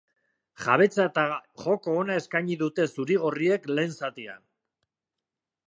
Jabetza eta joko ona eskaini dute zuri-gorriek lehen zatian.